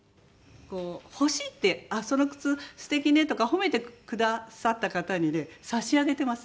欲しいって「あっその靴素敵ね」とか褒めてくださった方にね差し上げてますね。